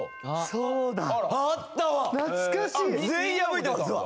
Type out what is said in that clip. そうだ！